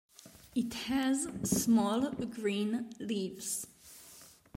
It has small green leaves.